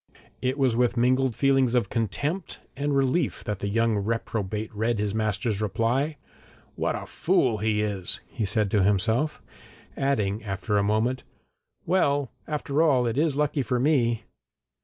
It was with mingled feelings of contempt and relief that the young reprobate read his master's reply. 'What a fool he is!' he said to himself, adding after a moment 'Well, after all, it is lucky for me!'